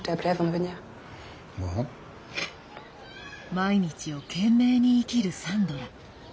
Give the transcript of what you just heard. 毎日を懸命に生きるサンドラ。